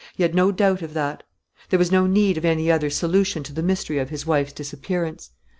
He had no doubt of that. There was no need of any other solution to the mystery of his wife's disappearance.